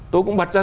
tôi cũng bật ra